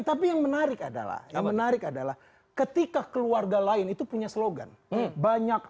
tapi yang menarik adalah yang menarik adalah ketika keluarga lain itu punya slogan